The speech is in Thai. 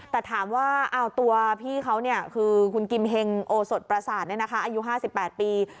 แต่ถามว่าตัวพี่เขาคือคุณกิมเฮงโอสดประสาทอายุ๕๘ปี